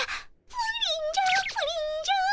プリンじゃプリンじゃ。